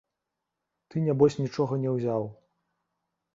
Ты нябось нічога не ўзяў.